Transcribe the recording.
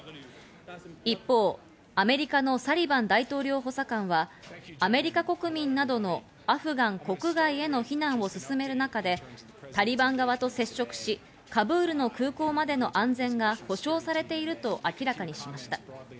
一方、アメリカのサリバン大統領補佐官はアメリカ国民などのアフガン国外への避難を進める中でタリバン側と接触し、カブールの空港までの安全が保証されていると明らかにしました。